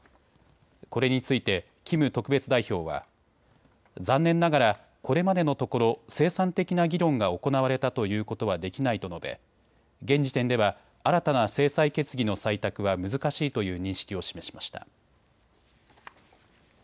これについてキム特別代表は残念ながらこれまでのところ生産的な議論が行われたということはできないと述べ現時点では新たな制裁決議の採択は難しいという認識を示しました。